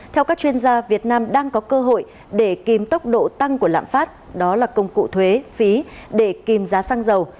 theo các chuyên gia việt nam đang có cơ hội để kìm tốc độ tăng của lạm phát đó là công cụ thuế phí để kìm giá xăng dầu